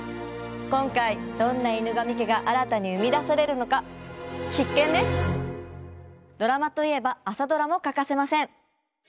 今回どんな「犬神家」が新たに生み出されるのかドラマといえば「朝ドラ」も欠かせません。